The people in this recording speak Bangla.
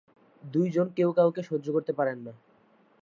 দুইজন কেউ কাউকে সহ্য করতে পারেন না।